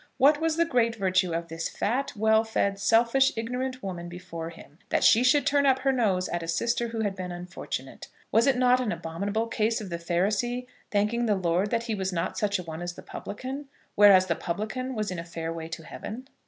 What was the great virtue of this fat, well fed, selfish, ignorant woman before him, that she should turn up her nose at a sister who had been unfortunate? Was it not an abominable case of the Pharisee thanking the Lord that he was not such a one as the Publican; whereas the Publican was in a fair way to heaven?